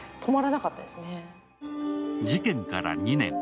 事件から２年。